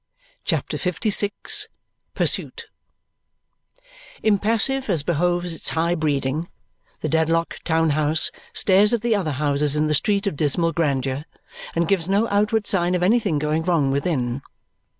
CHAPTER LVI Pursuit Impassive, as behoves its high breeding, the Dedlock town house stares at the other houses in the street of dismal grandeur and gives no outward sign of anything going wrong within.